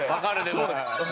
そうです。